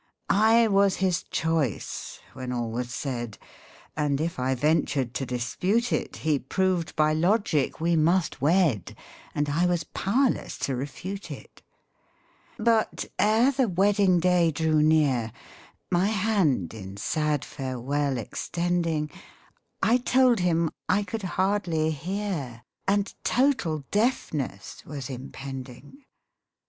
I was his choice, when all was said, And if I ventured to dispute it, He proved by logic we must wed, And I was powerless to refute it j But ere the wedding day drew near, My hand in sad farewell extending I told him I could hardly hear, And total deafness was impending.